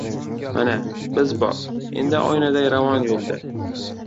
Mana, biz bor! Endi oynaday ravon yo‘lda